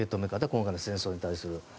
今回の戦争に対する。